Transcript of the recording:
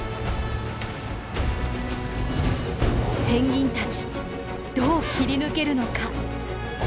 ペンギンたちどう切り抜けるのか？